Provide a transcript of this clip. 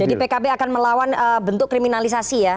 jadi pkb akan melawan bentuk kriminalisasi ya